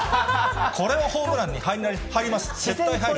これはホームランに入ります、絶対入る。